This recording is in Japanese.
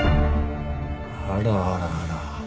あらあらあら。